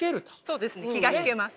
そうですね気が引けます。